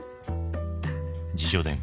自叙伝